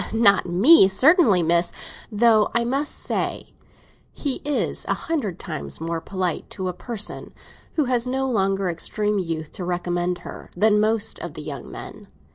"Not me, certainly, miss; though I must say he is a hundred times more polite to a person who has no longer extreme youth to recommend her than most of the young men.